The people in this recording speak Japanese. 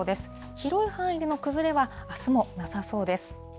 広い範囲での崩れは、あすもなさそうです。